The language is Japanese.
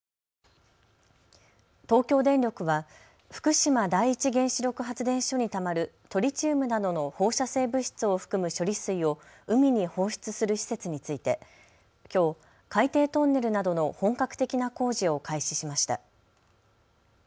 東京電力は福島第一原子力発電所にたまるトリチウムなどの放射性物質を含む処理水を海に放出する施設についてきょう海底トンネルなどの本格的な工事を開始しました。